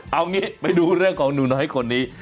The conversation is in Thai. เอางี้ไปดูเรื่องของหนูน้อยคนนี้